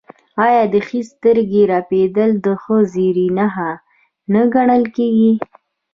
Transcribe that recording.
آیا د ښي سترګې رپیدل د ښه زیری نښه نه ګڼل کیږي؟